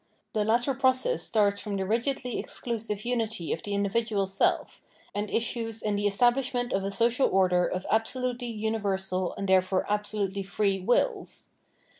The latter process starts from the rigidly exclusive unity of the individual self and issues in the establishment of a social order of absolutely universal and therefore absolutely free wills.